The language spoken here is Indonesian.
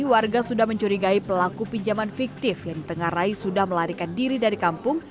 warga sudah mencurigai pelaku pinjaman fiktif yang ditengarai sudah melarikan diri dari kampung